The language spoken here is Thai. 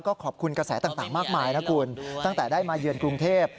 ก็ขอบคุณกระแสต่างมากมายนะคุณตั้งแต่ได้มาเยือนกรุงเทพ